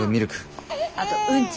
あとうんち。